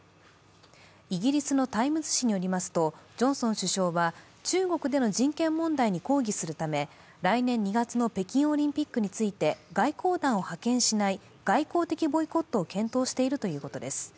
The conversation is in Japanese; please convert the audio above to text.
イギリスの「タイムズ」紙によりますとジョンソン首相は、中国での人権問題に抗議するため来年２月の北京オリンピックについて、外交団を派遣しない外交的ボイコットを検討しているとということです。